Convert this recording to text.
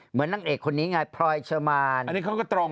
เหมือนนางเอกคนนี้ไงพลอยเชอมาน